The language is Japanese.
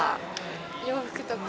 洋服とか。